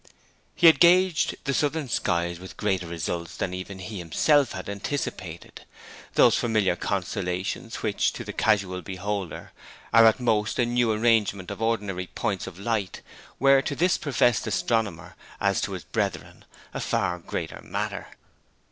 He had gauged the southern skies with greater results than even he himself had anticipated. Those unfamiliar constellations which, to the casual beholder, are at most a new arrangement of ordinary points of light, were to this professed astronomer, as to his brethren, a far greater matter.